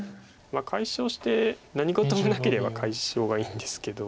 解消して何事もなければ解消がいいんですけど。